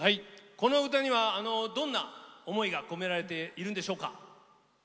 この歌にはどんな思いが込められているんでしょうか。